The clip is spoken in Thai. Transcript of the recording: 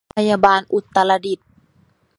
โรงพยาบาลอุตรดิตถ์